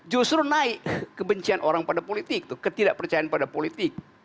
justru naik kebencian orang pada politik itu ketidakpercayaan pada politik